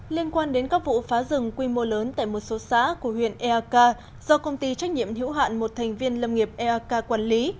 liên quan đến các vụ phá rừng quy mô lớn tại một số xã của huyện eak do công ty trách nhiệm hữu hạn một thành viên lâm nghiệp eak quản lý